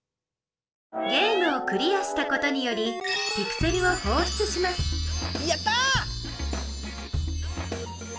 ゲームをクリアしたことによりピクセルをほうしゅつしますやった！